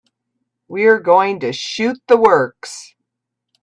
We're going to shoot the works.